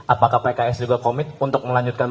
apakah pks juga komit untuk melanjutkan